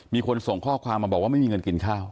มีคนส่งข้อความมาบอกว่าไม่มีเงินกินข้าว